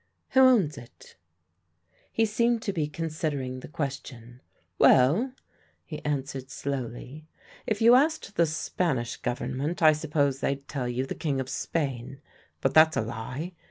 "Who owns it?" He seemed to be considering the question. "Well," he answered slowly, "if you asked the Spanish Government I suppose they'd tell you the King of Spain; but that's a lie.